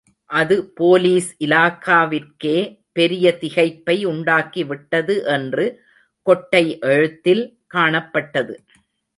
அது போலீஸ் இலாகாவிற்கே பெரிய திகைப்பை உண்டாக்கிவிட்டது என்று கொட்டை எழுத்தில் காணப்பட்டது.